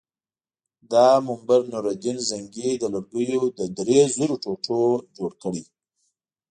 دا منبر نورالدین زنګي د لرګیو له درې زرو ټوټو جوړ کړی.